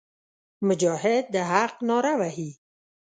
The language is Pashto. مجاهد د حق ناره وهي.